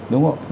đúng không ạ